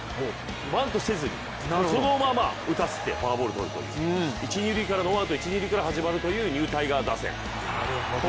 バントせずにそのまま打たせて、フォアボールをとるというノーアウト一・二塁から始まるというニュータイガー打線